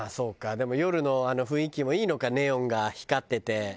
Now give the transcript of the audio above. でも夜のあの雰囲気もいいのかネオンが光ってて。